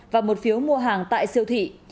và một phiếu mua hàng tại siêu thị